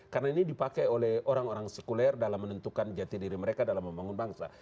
karena ini dipakai oleh orang orang sekuler dalam menentukan jati diri mereka dalam membangun bangsa